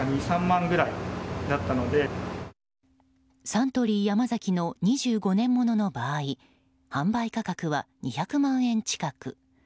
サントリー山崎の２５年物の場合販売価格は２００万円近く。